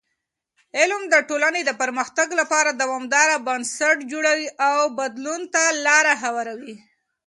علم د ټولنې د پرمختګ لپاره دوامدار بنسټ جوړوي او بدلون ته لاره هواروي.